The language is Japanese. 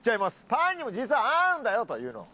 パンにも実は合うんだよというのを。